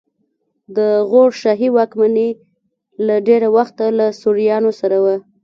د غور شاهي واکمني له ډېره وخته له سوریانو سره وه